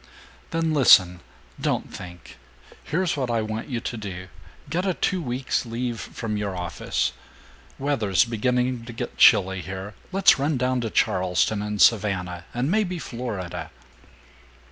"Then listen! Don't think! Here's what I want you to do! Get a two weeks leave from your office. Weather's beginning to get chilly here. Let's run down to Charleston and Savannah and maybe Florida.